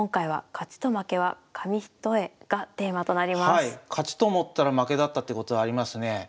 勝ちと思ったら負けだったってことありますね。